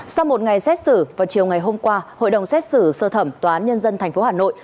sau một ngày xét xử vào chiều ngày hôm qua hội đồng xét xử sơ thẩm tòa án nhân dân tp hà nội